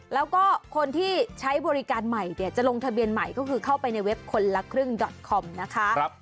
แล้วก็คนที่ใช้บริการใหม่เนี่ยจะลงทะเบียนใหม่ก็คือเข้าไปในเว็บคนละครึ่งดอตคอมนะคะ